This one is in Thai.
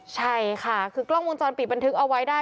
ใช่ค่ะคือกล้องวงจรปิดบันทึกเอาไว้ได้